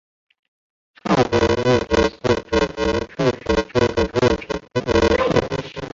错排问题是组合数学中的问题之一。